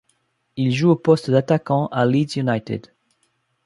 Il joue au poste d'attaquant à Leeds United.